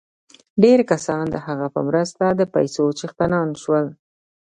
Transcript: ډېر کسان د هغه په مرسته د پیسو څښتنان شول